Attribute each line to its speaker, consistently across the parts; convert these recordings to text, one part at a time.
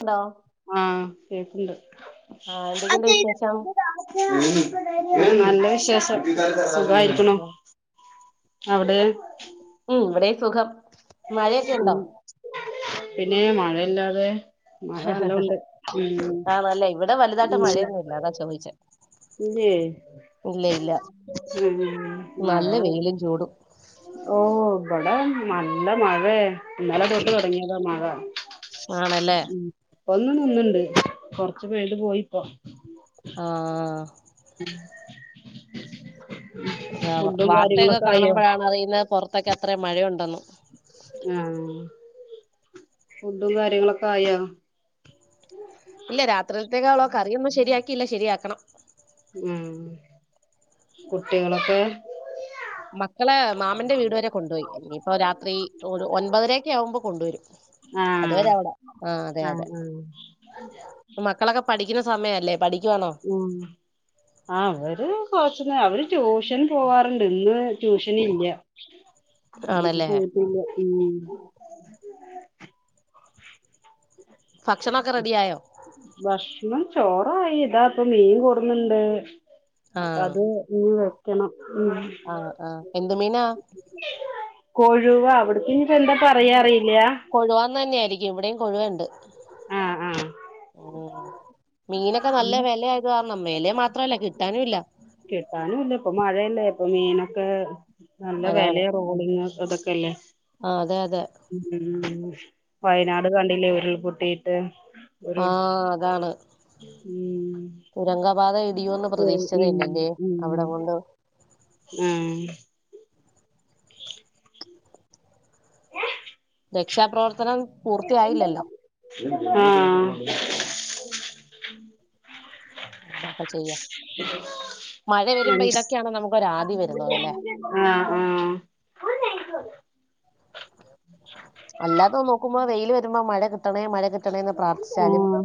Speaker 1: Hello
Speaker 2: ആഹ് കേക്ക്ണ്ട്
Speaker 1: ആഹ് എന്തൊക്കെയുണ്ട് വിശേഷം
Speaker 2: നല്ല വിശേഷം സുഖായിരിക്കുണു അവിടെ
Speaker 1: ഉം ഇവിടെ സുഖം മഴയൊക്കെ ഉണ്ടോ
Speaker 2: ഉം പിന്നെ മഴയില്ലാതെ മഴ നല്ല ഉണ്ട് ഉം ഉം
Speaker 1: ഇച്ച പൈച്ചെ
Speaker 2: ഇല്ലെ ആഹ് മഴ
Speaker 1: നല്ല വെയിലും ചൂടും
Speaker 2: ഓ ഇബടെ നല്ല മഴേ ഇ ന്നലെ തൊട്ട് തൊടങ്ങിയതാ മഴ
Speaker 1: ആണല്ലേ
Speaker 2: ഉം ഒന്ന് നിന്ന് ണ്ട് കൊറച്ചു പെയ്ത് പോയിപ്പോ
Speaker 1: ആഹ്
Speaker 2: മ്
Speaker 1: അ വാർത്തയൊക്കെ കാണുമ്പോഴാണ് അറിയുന്ന പുറത്തൊക്കെ എത്ര മഴയുണ്ടന്ന്
Speaker 2: ആഹ് ഫുഡും കാര്യങ്ങളൊക്കെ ആയോ
Speaker 1: ഇല്ല രാത്രിത്തേക്കാളോ കറിയൊന്നും ശരിയാക്കിയില്ല ശരിയാക്കണം
Speaker 2: ഉം കുട്ടികളൊക്കെ
Speaker 1: മക്കളെ മാമന്റെ വീട് വരെ കൊണ്ടോയി ഇനിയിപ്പോ രാത്രി ഒൻപതരക്കെ ആകുമ്പോ കൊണ്ടുവരും
Speaker 2: ആഹ്
Speaker 1: അതുവരെ അവിട ആഹ് അതെ അതെ മക്കളൊക്കെ പഠിക്കുന്ന സമയം അല്ലേ പഠിക്കുവാന്നൊ?
Speaker 2: ഉം അവര് കൊറച്ചന്ന് അവര് ട്യൂഷന് പോവാറുണ്ട് ഇന്ന് ട്യൂഷന് ഇല്ല്യ അപ്പ
Speaker 1: ആണല്ലേ
Speaker 2: പോയിട്ടില്ല മ്
Speaker 1: ഭക്ഷനൊക്കെ റെഡി ആയോ
Speaker 2: ഭക്ഷണം ചോറായി ഇതാ ഇപ്പ മീൻ കൊടുന്നുണ്ട് അപ്പൊ
Speaker 1: ആഹ്
Speaker 2: അത് ഇ നിവെക്കണം ഉം
Speaker 1: ആഹ് ആഎന്ത് മീനാ
Speaker 2: കൊഴുവ അവിട് ക്ക് ഇനിപ്പ ന്താ പറയാറിയില്ല
Speaker 1: കൊഴുവാന്നന്നായിരിക്കും ഇവിടെയും കൊഴുവണ്ട്
Speaker 2: ആഹ് ആഹ്
Speaker 1: മീനൊക്കെ നല്ല വെല കാരണം മേലെ മാത്രമല്ല കിട്ടാനുംല്ല
Speaker 2: കിട്ടാനുല്ല ഇപ്പൊ മഴയല്ലേ ഇപ്പൊ മീനൊക്കെ നല്ല വിലയാ ട്രോളിങ് അതൊക്കല്ലേ
Speaker 1: ആഹ് അതെ അതെ
Speaker 2: ഉം വയനാട് കണ്ടില്ലേ ഉരുൾപൊട്ടിയിട്ട്
Speaker 1: ആഹ്
Speaker 2: [inaudible]
Speaker 1: തുരംഗാബാത ഇടിയോന്ന്
Speaker 2: ഉം
Speaker 1: പ്രതീക്ഷിച്ചതെല്ലല്ലേ അവടെ കൊണ്ടൂ.
Speaker 2: ഉം
Speaker 1: രക്ഷാപ്രവർത്തനം പൂർത്തിയായില്ലല്ലോ
Speaker 2: ആഹ്
Speaker 1: അ അപ്പൊ ചെയ്യാം മഴ വരുമ്പോ ഇതൊക്കെയാണ് നമുക്ക് ഒരു ആദി വരുന്നതല്ലേ
Speaker 2: ആഹ് ആഹ്
Speaker 1: അല്ലാതെ നോക്കുമ്പോൾ വെയിൽ വരുമ്പോൾ മഴ മഴ മഴ കിട്ടണേന്ന് പ്രാർത്ഥിച്ചാലും
Speaker 2: ഉം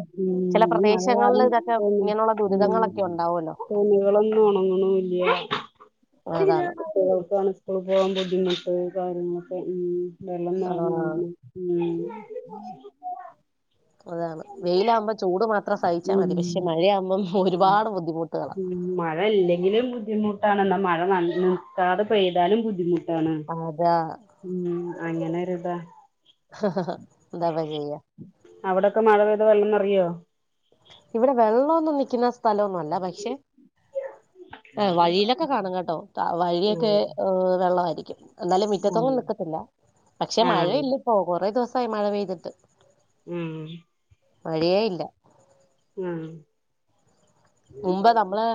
Speaker 1: ചില
Speaker 2: ഈ മഴ
Speaker 1: പ്രദേശങ്ങളിൽ
Speaker 2: കാരണം
Speaker 1: ഇതൊക്കെ
Speaker 2: തോന്നി
Speaker 1: ഇങ്ങനെയുള്ള
Speaker 2: ഉം
Speaker 1: ദുരിതങ്ങളൊക്കെ ഉണ്ടാവുമല്ലോ
Speaker 2: തുണികളൊന്നും ഉണങ്ങണുല്ല്യ
Speaker 1: അതാണ്
Speaker 2: സ്ക്കൂൾ പോകാൻ ബുദ്ധിമുട്ട് കാര്യങ്ങളൊക്കെ ഉം, വെള്ളം നറഞ്ഞ്
Speaker 1: ആഹ്
Speaker 2: ഒഴുകും ഉം,
Speaker 1: അതാണ് വെയിൽ ആവുമ്പോ ചൂട് മാത്രം സഹിച്ചാ
Speaker 2: ഉം
Speaker 1: മതി പക്ഷെ മഴയാവുമ്പോൾ
Speaker 2: ഉം
Speaker 1: ഒരുപാട് ബുദ്ധിമുട്ടുകളാ
Speaker 2: മഴ ഇല്ലെങ്കിലും ബുദ്ധിമുട്ടാണ് മഴ നിൽക്കാതെ പെയ്താലും ബുദ്ധിമുട്ട്
Speaker 1: അതാ
Speaker 2: ഉം അങ്ങനെ ഒരു ഇതാ
Speaker 1: [inaudible] ന്താപചെയ്യാ.
Speaker 2: അവിടൊക്കെ മഴ പെയ്ത വെള്ളം നിറയോ
Speaker 1: ഇവിടെ വെള്ളന്നും വെയ്ക്കുന്ന സ്ഥലമൊന്നും അല്ല പക്ഷെ വഴിയിലെ [inaudible] കാണം കേട്ടോ വഴിയൊക്കെ
Speaker 2: ആഹ്
Speaker 1: ഹ് വെള്ളമായിരിക്കും എന്നാലും മുറ്റത്തൊന്നും
Speaker 2: ആഹ്
Speaker 1: നിക്കത്തില്ല പക്ഷെ മഴ
Speaker 2: ആഹ്
Speaker 1: ഇല്ല ഇപ്പോ കുറേ ദിവസമായി മഴ പെയ്തിട്ട്
Speaker 2: ഉം
Speaker 1: മഴയേ ഇല്ല
Speaker 2: ഉം
Speaker 1: മുമ്പ നമ്മളെ.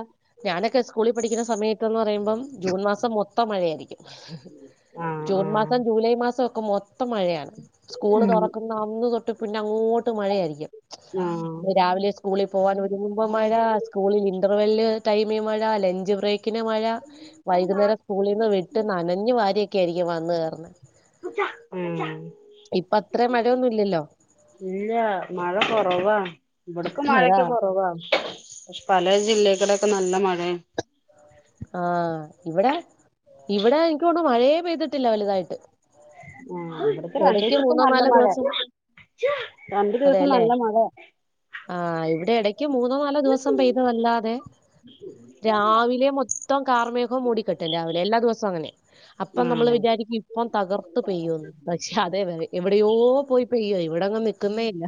Speaker 1: ഞാനൊക്കെ സ്കൂളിൽ പഠിക്കുന്ന സമയത്തെന്ന് പറയുമ്പോൾ ജൂൺ മാസം മൊത്തം മഴയായിരിക്കും.
Speaker 2: ആഹ്
Speaker 1: ജൂൺ
Speaker 2: ആഹ്
Speaker 1: മാസം ജൂലൈ മാസം ഒക്കെ മൊത്തം മഴയാണ് സ്കൂൾ തുറക്കുന്ന അന്ന് തൊട്ട് പിന്നെ അങ്ങോട്ട് മഴയായിരിക്കും.
Speaker 2: ആഹ്
Speaker 1: രാവിലെ സ്കൂളിൽ പോവാൻ ഒരുങ്ങുമ്പ മഴ സ്കൂളിൽ ഇന്റർവെൽ ടൈമിൽ മഴ ലഞ്ച് ബ്രേക്കിന് മഴ വൈകുന്നേരം സ്കൂളിൽ നിന്ന് വിട്ട് നനഞ്ഞു വാരിയെക്കെ ആയിരിക്കും വന്ന് കയറുന്നേ
Speaker 2: ഉം
Speaker 1: ഇപ്പ അത്രേ മഴയൊന്നും ഇല്ലല്ലോ
Speaker 2: ഇല്ല മഴ കുറവാ ഇവിടെക്ക്
Speaker 1: അതാ
Speaker 2: മഴക്കെ കുറവാ പക്ഷെ പല ജില്ലകളൊക്കെ നല്ല മഴയാണ്.
Speaker 1: ആ ഇവിടെ ഇവിടെ എനിക്കൊന്നുന്നു മഴയേ പെയ്തിട്ടില്ല വലുതായിട്ട്
Speaker 2: ആ ഇവിടത്തെ രണ്ടേ
Speaker 1: ഇടയ്ക്ക്
Speaker 2: ദിവസ ഇപ്പ
Speaker 1: മൂന്നോ
Speaker 2: നല്ല
Speaker 1: നാലോ
Speaker 2: മഴ
Speaker 1: ദിവസം
Speaker 2: രണ്ടു ദിവസം നല്ല മഴ
Speaker 1: ആ ഇവിടെ ഇടയ്ക്ക് മൂന്നോ നാലോ ദിവസം പെയ്തതല്ലാതെ രാവിലെ മൊത്ത മൊത്തം കാരമേഘം മൂടി കെട്ടും രാവിലെ എല്ലാ ദിവസവും അങ്ങനെ അപ്പൊ നമ്മൾ
Speaker 2: ആഹ്
Speaker 1: വിചാരിക്കും ഇപ്പം തകർത്ത് പെയ്യുന്നു പക്ഷെ അതേ വരെ എവിടെയോ പോയി പെയ്യ ഇവിടെ അങ്ങ് നിൽക്കുന്നേയില്ല.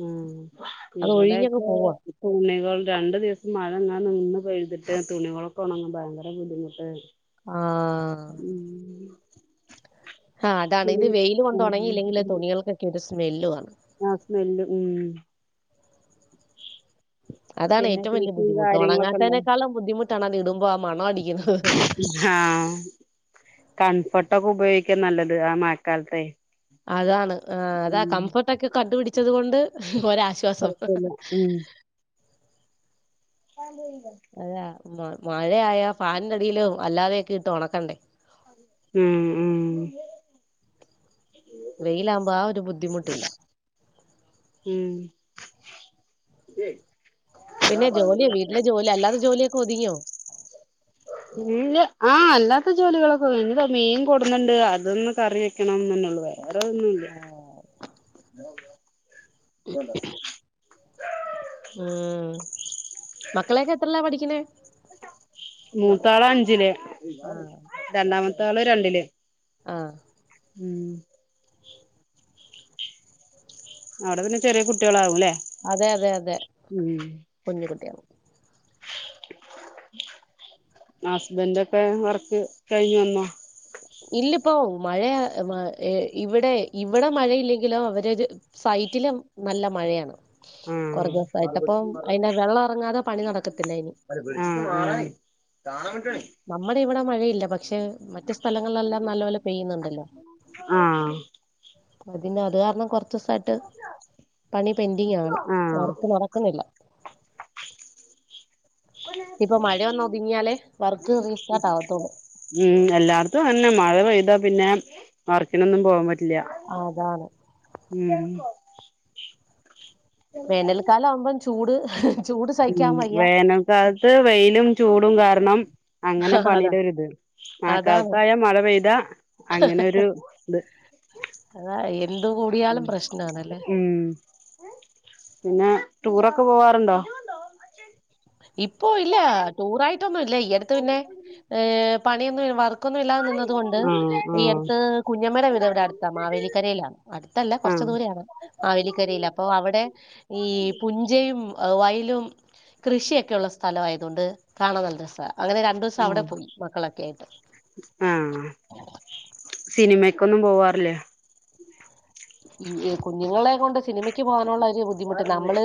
Speaker 2: ഉം ആ ഇവിടെ
Speaker 1: ഒഴിഞ്ഞങ്ങ്
Speaker 2: ഇപ്പോ
Speaker 1: പോവാ
Speaker 2: തുണികൾ രണ്ടു ദിവസം മഴ നിന്ന് നിന്ന് പെയ്തിട്ട് തുണികളൊക്കെ ഉണങ്ങാൻ ഭയങ്കര ബുദ്ധിമുട്ട്
Speaker 1: ആഹ്
Speaker 2: ഉം
Speaker 1: ആഹ് അതാണ് ഇത്
Speaker 2: പിന്നെ
Speaker 1: വെയില് കൊണ്ടുണങ്കീലെങ്കില് തുണികൾക്കൊക്കെ ഒരു സ്മെല്ലു ആണ്.
Speaker 2: ആഹ് സ്മെല്ല് ഉം
Speaker 1: അതാണ്
Speaker 2: പിന്നെ
Speaker 1: ഏറ്റവും വലിയ
Speaker 2: കൃഷിയും
Speaker 1: ബുദ്ധിമുട്ട്
Speaker 2: കാര്യങ്ങളൊക്കെ ഉണ്ടോ
Speaker 1: ഒണങ്ങാത്തതിനേക്കാളും ബുദ്ധിമുട്ടാണ് അത് ഇടുമ്പോ ആ മണ അടിക്കുന്നത്.
Speaker 2: ആഹ് കൺഫർട്ടൊക്കെ ഉപയോഗിക്കാൻ നല്ലത് ആഹ് മഴക്കാലത്തെ
Speaker 1: അതാണ് അതാ
Speaker 2: ഉം
Speaker 1: കംഫർട്ടൊക്കെ കണ്ടുപിടിച്ചത് കൊണ്ട് ഒരാശ്വാസം
Speaker 2: കൊഴപ്പല്ല ഉം [unintelligible]
Speaker 1: അതാ മഴയായ ഫാനിന്റടിയിലും അല്ലാതെയൊക്കെ ഇട്ട് ഒണക്കണ്ടേ
Speaker 2: ഉം ഉം
Speaker 1: വെയിലാവുമ്പോ ആഹ് ഒരു ബുദ്ധിമുട്ടില്ല.
Speaker 2: ഉം
Speaker 1: പിന്നെ ജോലിയോ വീട്ടില ജോലി അല്ലത്ത ജോലിയൊക്കെ ഒതിങ്ങിയോ?
Speaker 2: ഇല്ല ആഹ് അല്ലാത്ത ജോലികളൊക്കെ വനിതോ മീൻ കൊടുന്നുണ്ട് അതൊന്ന കറി വെക്കണംന്ന്ന്നെന്നെള്ളു വേറെ ഒന്നുംല്ല
Speaker 1: ഉം മക്കളക്കെ എത്രേല പഠിക്കണേ
Speaker 2: മൂത്താള് അഞ്ചില്
Speaker 1: ആ
Speaker 2: രണ്ടാമത്താള് രണ്ടില്
Speaker 1: ആഹ്
Speaker 2: ഉം അവിടെ പിന്നെ ചെറിയ കുട്ടികളാവൂല്ലേ
Speaker 1: അതെ അതെ അതെ കഞ്ഞ് കുട്ടിയാണ്
Speaker 2: ഹസ്ബന്റൊക്കെ വർക്ക് കഴിഞ്ഞു വന്നോ
Speaker 1: ഇല്ല ഇപ്പോ മഴയ ഇവിടെ ഇവിടെ മഴയില്ലെങ്കിലോ അവരൊരു സൈറ്റിലും നല്ല മഴയാണ്. കുറേ ദിവസമായിട്ട് അപ്പം
Speaker 2: ആഹ്
Speaker 1: അതിന്റെ വെള്ളം ഇറങ്ങാതെ പണി നടക്കത്തില്ല
Speaker 2: ആഹ്
Speaker 1: ഇനി
Speaker 2: [unintelligible] കാണാ വിട്ടേണ്
Speaker 1: നമ്മുടെ ഇവിടെ മഴയില്ല പക്ഷെ മറ്റു സ്ഥലങ്ങളിലെല്ലാം നല്ലപോലെ പെയ്യുന്നുണ്ടല്ലോ
Speaker 2: ആഹ്
Speaker 1: അതിന്റെ അത് കാരണം കൊറച്ചോസായിട്ട് പണി പെൻഡിങ് ആണ്
Speaker 2: ആഹ്
Speaker 1: വർക്ക് നടക്കുന്നില്ല ഇനീപ്പ മഴയൊന്ന് ഒതുങ്ങിയാലേ വർക്ക് റീസ്റ്റാർട്ട് ആവത്തുള്ളൂ
Speaker 2: ഉം എല്ലാർത്തും അന്നെ മഴ പെയ്താ പിന്നെ വർക്കിനൊന്നും പോവാൻ പറ്റില്ല.
Speaker 1: ആഹ് അതാണ്
Speaker 2: [unintelligible]
Speaker 1: വേനൽക്കാലം ആവുമ്പം ചൂട് ചൂട്
Speaker 2: ഉം
Speaker 1: സഹിക്കാൻ വയ്യ
Speaker 2: വേനൽക്കാലത്ത് വെയിലും ചൂടും കാരണം അങ്ങനെ
Speaker 1: അതാ
Speaker 2: പണിയുടെ ഒരിത്
Speaker 1: അതാണ്
Speaker 2: മഴക്കാലത്തായാ മഴ പെയ്താ അങ്ങനൊരു ത്
Speaker 1: അതാ എന്ത് കൂടിയാലും പ്രശ്നാണല്ലേ
Speaker 2: പിന്ന ടൂറക്ക പോവാറുണ്ടോ
Speaker 1: ഇപ്പൊ ഇല്ല ടൂറായിട്ടൊന്നും ഇല്ല ഈ അടുത്ത് പിന്നെ പണിയൊന്നും വർക്ക് ക്കൊന്നും ഇല്ലാതെ നിന്നത് കൊണ്ട്
Speaker 2: ആഹ്
Speaker 1: ഈ
Speaker 2: ആഹ്
Speaker 1: അടുത്ത് കുഞ്ഞമ്മേര വീട് ഇവിടെ അടുത്താ മാവേലിക്കരയിലാണ് അടുത്തല്ല കൊറച്ച്
Speaker 2: ആഹ്
Speaker 1: ദൂരെയാണ് മാവേലിക്കരയില് അപ്പൊ അവിടെ ഈ പുഞ്ചയും വയലും കൃഷിയൊക്കെയുള്ള സ്ഥലം ആയതുകൊണ്ട് കാണാൻ നല്ല രസാ അങ്ങനെ രണ്ടു ദിവസം അവിടെ പോയി മക്കളൊക്കെ ആയിട്ട്
Speaker 2: ആഹ് സിനിമക്കൊന്നും പോവാറില്ലേ
Speaker 1: ഈ കുഞ്ഞുങ്ങളെ കൊണ്ട് സിനിമയ്ക്ക് പോകാനുള്ള ബുദ്ധിമുട്ട് നമ്മള്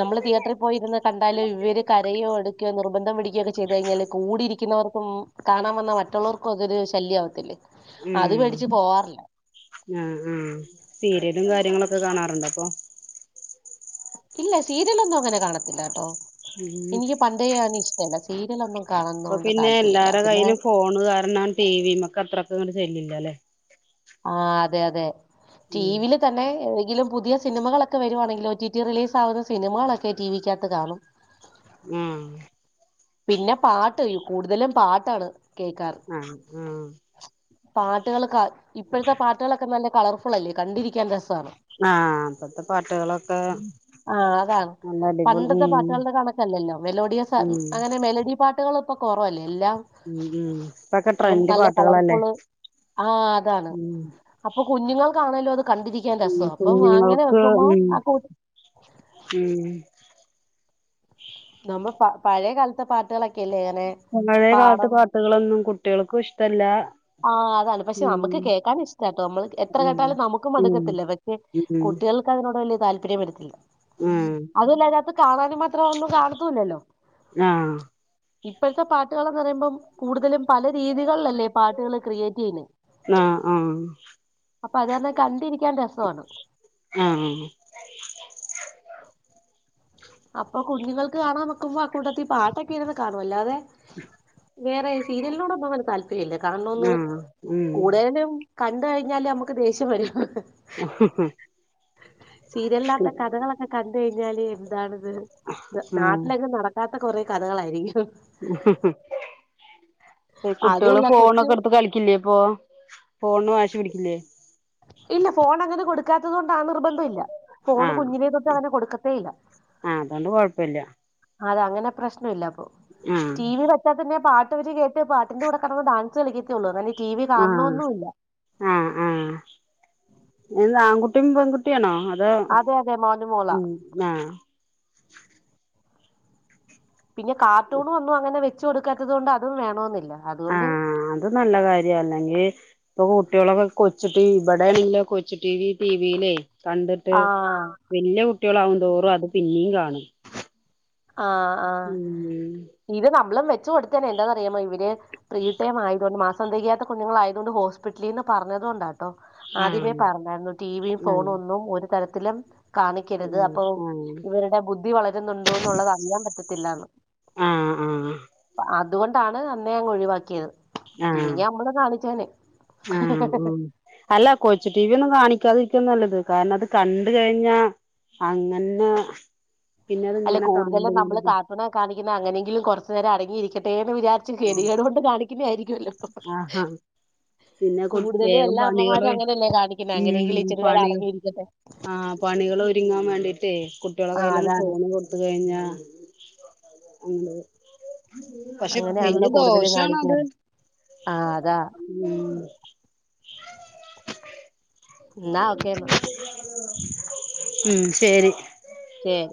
Speaker 1: നമ്മള് തിയേറ്ററിൽ പോയിരുന്ന് കണ്ടാലോ ഇവര് കരയോ എടുക്കു നിർബന്ധം പിടിക്കുകയൊക്കെ ചെയ്ത് കഴിഞ്ഞാല് കൂടിയിരിക്കുന്നവർക്കും കാണാൻ വന്ന മറ്റുള്ളവർക്കും അതൊരു ശല്യമാവത്തില്ലേ അത്
Speaker 2: ഉം
Speaker 1: പേടിച്ച് പോവാറില്ല
Speaker 2: ആഹ് ആഹ് സീരിയലും കാര്യങ്ങളൊക്കെ കാണാറുണ്ടോ അപ്പൊ
Speaker 1: ഇല്ല സീരിയലൊന്നും അങ്ങനെ കാണത്തില്ല കേട്ടോ
Speaker 2: ഉം
Speaker 1: എനിക്ക് പണ്ടേ ങ്ങന ഇഷ്ടമല്ല സീരിയലൊന്നും കാണുന്നതൊണ്ട്
Speaker 2: ഇപ്പൊ
Speaker 1: കൊണ്ട് താല്പര്യല്ല പിന്നെ
Speaker 2: ടീവി മ്മക്ക് അത്രക്കങ്ങട് ശല്യ ഇല്ലാല്ലേ
Speaker 1: ആഹ് അതെ അതെ
Speaker 2: ഉം
Speaker 1: ടീവിൽ തന്നെ ഏതങ്കിലും പുതിയ സിനിമകളൊക്കെ വരുവാണെങ്കിൽ ഒ ടി ടി റിലീസ് ആകുന്ന സിനിമകളൊക്കെ ടിവിക്കകത്ത് കാണും
Speaker 2: ഉം
Speaker 1: പിന്നെ പാട്ട് യ്യോ കൂടുതലും പാട്ടാണ് കേൾക്കാറ്
Speaker 2: അഹ് ഉം
Speaker 1: പാട്ടുകൾ ക ഇപ്പഴത്തെ പാട്ടുകളൊക്കെ നല്ല കളർഫുള്ളല്ലേ കണ്ടിരിക്കാൻ രസമാണ്
Speaker 2: ആഹ് ഇപ്പത്തെ പാട്ടുകളൊക്കെ
Speaker 1: ആഹ് അതാണ്
Speaker 2: നല്ല അടിപൊളി
Speaker 1: പണ്ടത്തെ
Speaker 2: ഉം
Speaker 1: പാട്ടുകളുടെ കണക്കല്ലല്ലോ മെലോഡിയസ്
Speaker 2: ഉം
Speaker 1: അങ്ങനെ മെലഡി പാട്ടുകൾ ഇപ്പൊ കുറവല്ലേ ഇല്ല
Speaker 2: ഉം ഉം ഇപ്പൊക്കെ ട്രെൻഡ്
Speaker 1: നല്ല
Speaker 2: പാട്ടുകളല്ലേ
Speaker 1: കളർഫുള് ആഹ് അതാണ്
Speaker 2: ഉം
Speaker 1: അപ്പൊ കുഞ്ഞുങ്ങക്കാണലോ അത് കണ്ടിരിക്കാൻ
Speaker 2: ഉം
Speaker 1: രസം അപ്പൊ അങ്ങനെ
Speaker 2: കുഞ്ഞുങ്ങൾക്ക്
Speaker 1: വെക്കുമ്പോ
Speaker 2: ഉം
Speaker 1: ആ-
Speaker 2: ഉം
Speaker 1: നമ്മൾ പ പഴയ കാലത്തെ പാ- ട്ടുകളൊക്കെ ഇല്ലേ
Speaker 2: പഴയ കാലത്തെ പാട്ടുകളൊന്നും കുട്ടികൾക്കും ഇഷ്ടല്ലാ
Speaker 1: ആഹ് അതാണ് പക്ഷെ നമുക്ക് കേൾക്കാൻ ഇഷ്ടാട്ടോ നമ്മൾ എത്ര കേട്ടാലും നമുക്കും
Speaker 2: ഉം
Speaker 1: മടുക്കത്തില്ല പക്ഷേ
Speaker 2: ഉം
Speaker 1: ക്കതിനോട് വലിയ താല്പര്യം വരത്തില്ല
Speaker 2: ഉം
Speaker 1: അതല്ല അതിനകത്ത് കാണാനും മാത്രം ഒന്നും കാണുന്നൂല്ലല്ലോ
Speaker 2: ആഹ്
Speaker 1: ഇപ്പഴത്തെ പാട്ടുകളെന്ന് പറയുമ്പം കൂടുതലും പല രീതികളിലല്ലേ പാട്ടുകള് ക്രിയേറ്റ് ചെയ്യുന്നത്
Speaker 2: ആഹ് ആഹ്
Speaker 1: അപ്പത് കാരണം കണ്ടിരിക്കാൻ രസമാണ്
Speaker 2: ആഹ് [unintelligible]
Speaker 1: അപ്പൊ കുഞ്ഞുങ്ങൾക്ക് കാണാൻ വെക്കുമ്പോ ആ കൂട്ടത്തിൽ പാട്ടൊക്കെ ഇരുന്ന് കാണും അല്ലാതെ
Speaker 2: [unintelligible]
Speaker 1: വേറെ സീരിയലിനോടൊന്നും അങ്ങനെ താല്പര്യം ഇല്ല കാണണോംന്ന്
Speaker 2: ആഹ് ഉം
Speaker 1: കൂടുതലും കണ്ടു കഴിഞ്ഞാല് നമ്മുക്ക് ദേഷ്യം വരും ഹഹ
Speaker 2: ഹഹ
Speaker 1: സീരിയലിനകത്തെ കഥകളൊക്കെ കണ്ടു കഴിഞ്ഞാല് എന്താണത് നാട്ടിലൊക്കെ നടക്ക- ഇല്ലാത്ത കൊറേ കഥകളായിരിക്കും
Speaker 2: കുട്ടികള്
Speaker 1: അതുമല്ല കൊച്ചു
Speaker 2: ഫോണൊക്കെ എടുത്ത് കളിക്കില്ലേ അപ്പൊ ഫോണിന് വാശി പിടിക്കില്ലേ
Speaker 1: ഇല്ല ഫോൺ അങ്ങനെ കൊടുക്കാത്തത് കൊണ്ട് ആ നിർബന്ധം ഇല്ല ഫോണ്
Speaker 2: ആഹ്
Speaker 1: കുഞ്ഞിനെ തൊട്ട് അങ്ങനെ കൊടുക്കത്തേ ഇല്ല
Speaker 2: ആഹ് അതുകൊണ്ട് കൊഴപ്പില്ല
Speaker 1: അതെ അങ്ങനെ പ്രശ്നം ഇല്ല അപ്പൊ
Speaker 2: ആഹ്
Speaker 1: ടി വി പിന്നെ പാട്ടൊക്കെ കേട്ട് പാട്ടിന്റെ കൂടെ കിടന്ന് ഡാൻസ് കളിക്കത്തേഉള്ളൂ
Speaker 2: ആഹ് ആഹ് ആഹ് എന്താ ആൺകുട്ടിയും പെൺകുട്ടി- കുട്ടിയാണോ അതോ
Speaker 1: അതെ അതെ മോന് മോളാ
Speaker 2: ആഹ്
Speaker 1: പിന്നെ കാർട്ടൂണും ഒന്നും അങ്ങനെ വെച്ചു കൊടുക്കാത്തത് കൊണ്ട് അതും വേണോന്നില്ല അതുകൊണ്ട്
Speaker 2: ആഹ് അത് നല്ല കാര്യാ അല്ലെങ്കിൽ ഇപ്പൊ കുട്ടികളൊക്കെ കൊച്ചു ടിവി ഇവിടെ ആണെങ്കിലോ കൊച്ചുടി വി ടിവിയിലേ കണ്ടിട്ട്
Speaker 1: ആ
Speaker 2: വല്യ കുട്ടികളാവും തോറും അത് പിന്നെയും കാണും
Speaker 1: ആഹ് ആഹ്
Speaker 2: ഉം
Speaker 1: ഇത് നമ്മളും വെച്ചു കൊടുത്തേനെ എന്താന്ന് അറിയാമോ ഇവര് പ്രീടൈം ആയത്കൊണ്ട് മാസം തികയാത്ത കുഞ്ഞുങ്ങൾ ആയതുകൊണ്ട് ഹോസ്പിറ്റലിൽന്ന് പറഞ്ഞതുകൊണ്ടാണ് ആദ്യമേ
Speaker 2: ആഹ്
Speaker 1: പറഞ്ഞായിരുന്നു ടിവിയും
Speaker 2: ആഹ്
Speaker 1: ഫോണും ഒന്നും ഒരു തരത്തിലും കാണിക്കരുത്
Speaker 2: ആഹ്
Speaker 1: അപ്പൊ ഇവരുടെ ബുദ്ധി വളരുന്നു- -തോന്നുള്ളത് അറിയാൻ പറ്റത്തില്ലാണ്
Speaker 2: ആഹ് ആഹ് ആഹ്
Speaker 1: അതുകൊണ്ടാണ് അന്നെ അങ്ങ് ഒഴിവാക്കിയത്
Speaker 2: ആഹ്
Speaker 1: ഇല്ലെങ്കിൽ നമ്മളും കാണിച്ചേനെ
Speaker 2: ആഹ് ഉം അല്ല കൊച്ച് ടിവി ഒന്നും കാണിക്കാതിരിക്കാൻ നല്ലത് കാരണം അത് കണ്ട് കഴിഞ്ഞാ അങ്ങനെ പിന്നെ അത് ഇങ്ങനെ കണ്ടോണ്ട്ക്കും
Speaker 1: അത് കാണിക്കണേ അങ്ങനെങ്കിലും കുറച്ച നേരം അടങ്ങിയിരിക്കട്ടെന്ന് വിചാ ഗതികേട് കൊണ്ട് കാണിക്കുന്ന ആയിരിക്കുല്ലോ
Speaker 2: ആഹാ പിന്നെ കൊ
Speaker 1: കൂടുതലും
Speaker 2: വേഗം
Speaker 1: എല്ലാ
Speaker 2: പണികള്
Speaker 1: അമ്മമാരും അങ്ങനെയല്ലേ കാണിക്കണേ
Speaker 2: ഉം
Speaker 1: അങ്ങനെങ്കിലും ഇച്ചിരി നേരം
Speaker 2: പണി
Speaker 1: അടാങ്ങിയിരിക്കട്ടെ
Speaker 2: ആഹ് പണികൾ ഒരുങ്ങാൻ വേണ്ടിട്ട് കുട്ടികളെ
Speaker 1: ആ
Speaker 2: കയ്യില്
Speaker 1: അതാണ്
Speaker 2: ഫോൺ കൊ ടുത്തു കഴിഞ്ഞ പക്ഷെ വല്യ
Speaker 1: അങ്ങനെയാണല്ലോ കൂടുതലും
Speaker 2: ദോഷണാത്
Speaker 1: കാണിക്കാറ് ആ അതാ
Speaker 2: ഉം
Speaker 1: ന്നാ ഒക്കെന്നാ
Speaker 2: ഉം ശേരി
Speaker 1: ഏഹ്